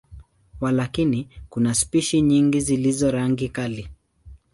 Walakini, kuna spishi nyingi zilizo rangi kali.